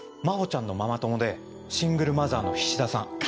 真帆ちゃんのママ友でシングルマザーの菱田さん。